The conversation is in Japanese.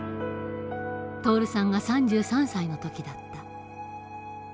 徹さんが３３歳の時だった。